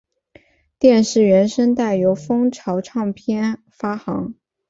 电视原声带由风潮唱片发行。